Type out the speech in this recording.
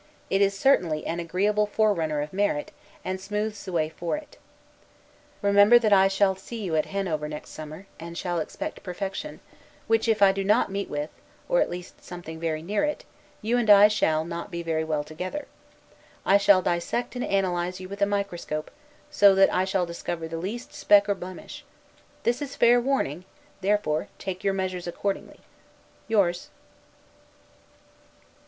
It is certainly an agreeable forerunner of merit, and smoothes the way for it. Remember that I shall see you at Hanover next summer, and shall expect perfection; which if I do not meet with, or at least something very near it, you and I shall, not be very well together. I shall dissect and analyze you with a microscope; so that I shall discover the least speck or blemish. This is fair warning; therefore take your measures accordingly. Yours.